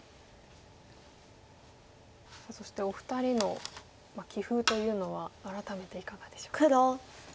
そしてお二人の棋風というのは改めていかがでしょう？